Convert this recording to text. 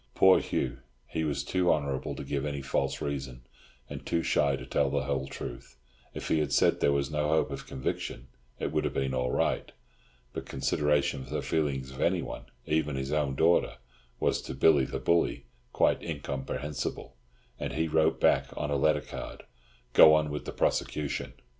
Poor Hugh! He was too honourable to give any false reason, and too shy to tell the whole truth. If he had said that there was no hope of a conviction, it would have been all right. But consideration for the feelings of anyone, even his own daughter, was to Billy the Bully quite incomprehensible, and he wrote back, on a letter card, "Go on with the prosecution."